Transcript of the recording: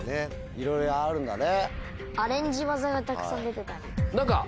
いろいろあるんだね。